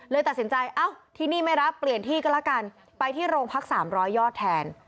เลยตัดสินใจที่นี่ไม่รับเปลี่ยนที่ก็ละกันไปที่โรงพักสามร้อยยอดแทน